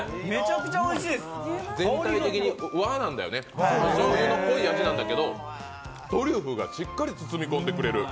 全体的に和なんだよなしょうゆの濃い味なんだけどトリュフがしっかり包み込んでくれる！